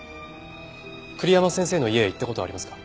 栗山先生の家へ行った事はありますか？